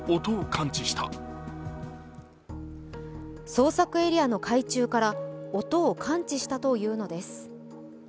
捜索エリアの海中から音を感知したというのです。